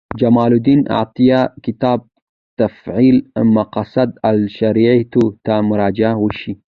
جمال الدین عطیه کتاب تفعیل مقاصد الشریعة ته مراجعه وشي.